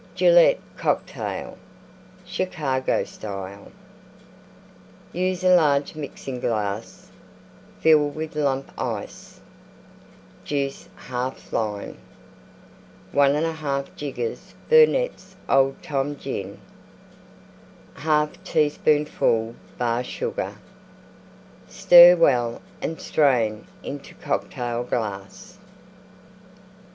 GILLETTE COCKTAIL Chicago Style Use a large Mixing glass; fill with Lump Ice. Juice 1/2 Lime. 1 1/2 jiggers Burnette's Old Tom Gin. 1/2 teaspoonful Bar Sugar. Stir well and strain into Cocktail glass.